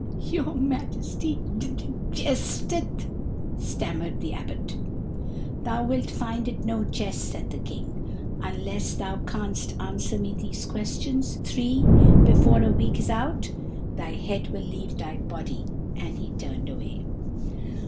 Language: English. "Your Majesty jesteth," stammered the Abbot. "Thou wilt find it no jest," said the King. "Unless thou canst answer me these questions three before a week is out, thy head will leave thy body;" and he turned away.